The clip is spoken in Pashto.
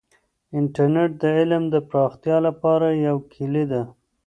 انټرنیټ د علم د پراختیا لپاره یوه کیلي ده.